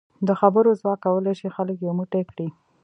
د خبرو ځواک کولای شي خلک یو موټی کړي.